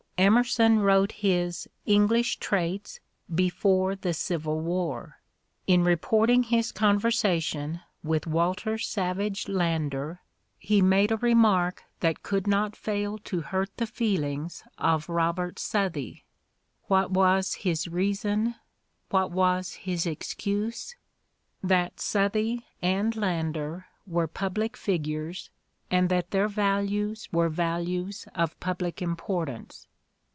Emerson wrote his "English Traits" before the Civil War: in reporting his conversation with Walter Savage Landor, he made a remark that could not fail to hurt the feelings of Let Somebody Else Begin 235 Eobert Southey. What was his reason, what was his excuse? That Southey and Landor were public figures and that their values were values of public importance.